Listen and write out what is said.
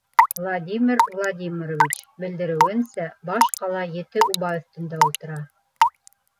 Владимир Владимирович белдереүенсә, баш ҡала ете уба өҫтөндә ултыра.